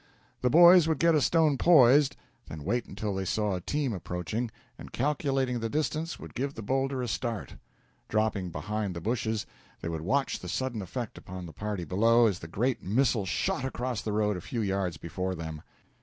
The boys would get a stone poised, then wait until they saw a team approaching, and, calculating the distance, would give the boulder a start. Dropping behind the bushes, they would watch the sudden effect upon the party below as the great missile shot across the road a few yards before them.